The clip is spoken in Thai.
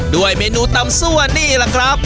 ด้วยเมนูตำซั่วนี่แหละครับ